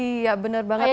iya bener banget ayah